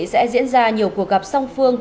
sẽ diễn ra nhiều cuộc gặp song phương